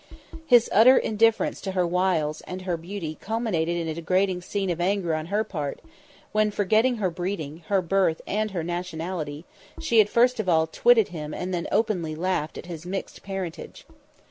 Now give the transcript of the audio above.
His utter indifference to her wiles and her beauty had culminated in a degrading scene of anger on her part, when, forgetting her breeding, her birth and her nationality, she had first of all twitted him and then openly laughed at his mixed parentage.